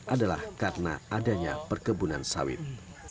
adalah karena adanya perkebunan sawit